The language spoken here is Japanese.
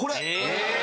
・え！